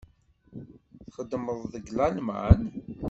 Txedmeḍ deg Lalman?